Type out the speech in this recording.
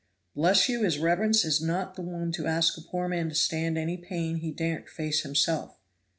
"Bless you, his reverence is not the one to ask a poor man to stand any pain he daren't face himself."